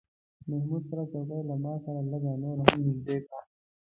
محمود خپله چوکۍ له ما سره لږه نوره هم نږدې کړه.